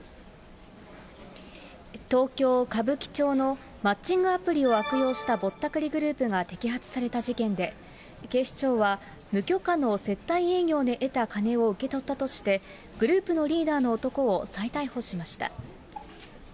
東京・歌舞伎町のマッチングアプリを悪用したぼったくりグループが摘発された事件で、警視庁は、無許可の接待営業で得た金を受け取ったとして、グループのリーダーの男を再逮捕しました。